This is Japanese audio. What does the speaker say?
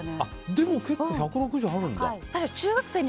でも、結構１６０あるんだ。